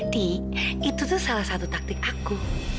ti itu tuh salah satu taktik aku